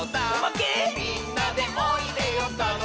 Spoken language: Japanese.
「みんなでおいでよたのしいよ」